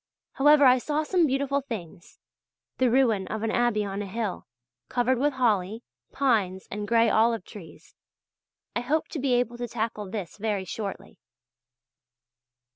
However, I saw some beautiful things; the ruin of an abbey on a hill, covered with holly, pines and gray olive trees. I hope to be able to tackle this very shortly.